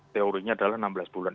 teorinya adalah enam belas bulan